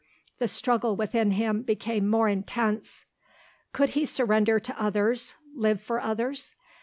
The struggle within him became more intense. Could he surrender to others, live for others?